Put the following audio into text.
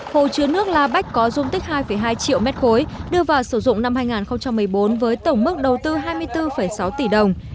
hồ chứa nước la bách có dung tích hai hai triệu m ba đưa vào sử dụng năm hai nghìn một mươi bốn với tổng mức đầu tư hai mươi bốn sáu tỷ đồng